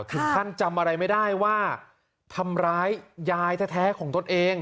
จำอะไรไม่ได้ว่าทำร้ายยายแท้ของตนเอง